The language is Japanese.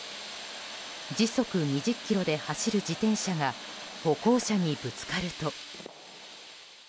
時速２０ｋｍで走る自転車が歩行者にぶつかると。